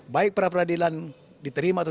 baik peradilan diterima atau